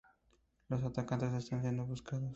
Los atacantes están siendo buscados.